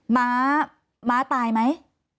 ม้าม้าตายไหม